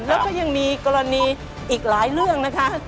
แล้วก็ยังมีกรณีอีกหลายเรื่องนะคะ